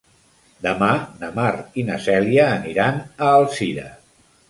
Demà na Mar i na Cèlia aniran a Alzira.